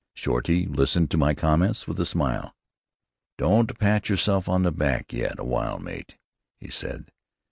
Shorty listened to my comments with a smile. "Don't pat yerself on the back yet a w'ile, mate," he said.